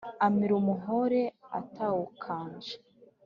Amira umuhore atawukanje: